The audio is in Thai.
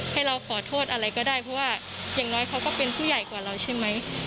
ให้เราขอโทษอะไรก็ได้เพราะว่าอย่างน้อยเขาก็เป็นผู้ใหญ่กว่าเราใช่ไหม